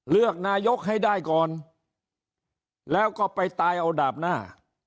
เลือกนายกให้ได้ก่อนแล้วก็ไปตายเอาดาบหน้า